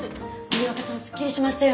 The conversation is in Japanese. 森若さんすっきりしましたよね。